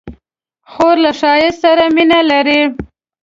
خور له ښایست سره مینه لري.